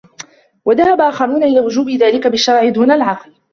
وَذَهَبَ آخَرُونَ إلَى وُجُوبِ ذَلِكَ بِالشَّرْعِ دُونَ الْعَقْلِ